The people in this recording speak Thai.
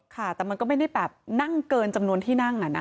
แต่มันก็ไม่ได้นั่งเกินจำนวนที่นั่ง